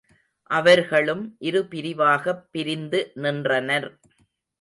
அவர்களும் இருபிரிவாகப் பிரிந்து நின்றனர்.